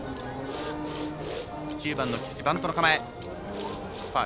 ９番のバントの構え。